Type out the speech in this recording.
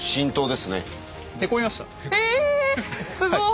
えすごい！